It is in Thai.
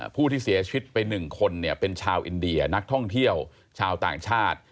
ผู้ที่เสียชีวิตไป๑คนเป็นชาวอินเดียนักท่องเที่ยวชาวต่างชาติ